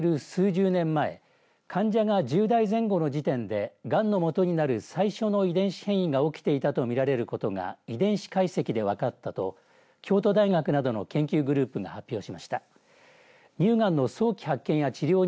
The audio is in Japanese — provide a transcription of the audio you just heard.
乳がんの一部は診断される数十年前患者が１０代前後の時点でがんのもとになる最初の遺伝子変異が起きていたと見られることが遺伝子解析で分かったと京都大学などの研究グループが発表しました。